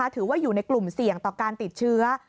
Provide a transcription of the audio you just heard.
ถือว่าอยู่ในกลุ่มเสี่ยงต่อการติดเชื้อ